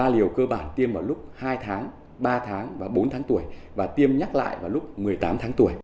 ba liều cơ bản tiêm vào lúc hai tháng ba tháng và bốn tháng tuổi và tiêm nhắc lại vào lúc một mươi tám tháng tuổi